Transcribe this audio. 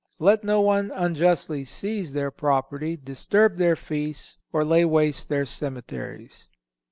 Let no one unjustly seize their property, disturb their feasts, or lay waste their cemeteries."